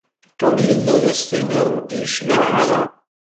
Tom yella ad s-tiniḍ ur d-yecliε ara.